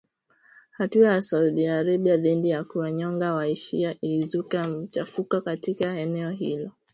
Hatua ya Saudi Arabia dhidi ya kuwanyonga wa-shia ilizua machafuko katika eneo hilo hapo awali